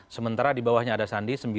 sementara di bawahnya ada sandi